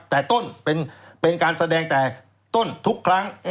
แต่ต้นเป็นการแสดงแต่ต้นทุกครั้ง